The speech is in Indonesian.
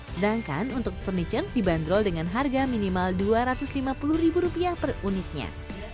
sedangkan untuk furniture dibanderol dengan harga minimal dua ratus lima puluh ribu rupiah per unitnya